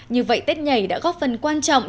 như vậy tết nhảy đã góp phần quan trọng